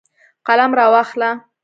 قلم راواخله